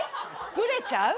グレちゃう？